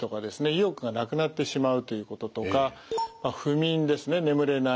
意欲がなくなってしまうということとか不眠ですね眠れない。